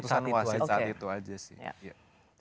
keputusan wasit saat itu aja sih